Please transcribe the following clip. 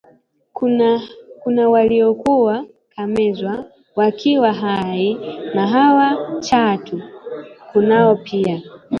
Kunao waliokuwa kamezwa wakiwa hai na hawa chatu, kunao pia